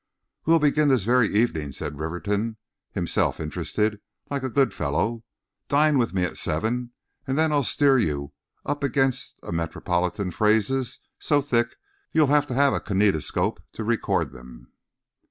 "We'll begin this very evening," said Rivington, himself interested, like a good fellow. "Dine with me at seven, and then I'll steer you up against metropolitan phases so thick you'll have to have a kinetoscope to record 'em."